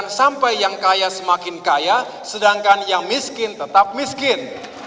jangan sampai yang kaya semakin kaya sedangkan yang miskin tetap miskin